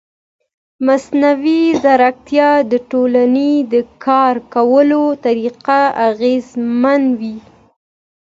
مصنوعي ځیرکتیا د ټولنې د کار کولو طریقه اغېزمنوي.